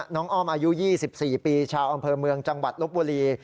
อ้อมอายุ๒๔ปีชาวอำเภอเมืองจังหวัดลบบุรี